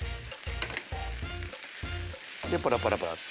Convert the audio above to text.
でパラパラパラッと。